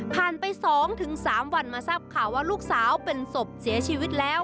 ไป๒๓วันมาทราบข่าวว่าลูกสาวเป็นศพเสียชีวิตแล้ว